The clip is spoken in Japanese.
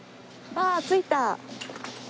ああ着いた！